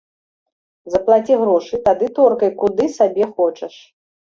Заплаці грошы, тады торкай, куды сабе хочаш!